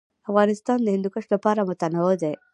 افغانستان د هندوکش له پلوه متنوع دی.